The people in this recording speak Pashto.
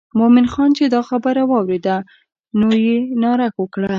مومن خان چې دا خبره واورېده نو یې ناره وکړه.